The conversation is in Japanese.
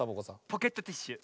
ポケットティッシュ！